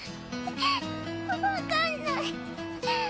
わかんない。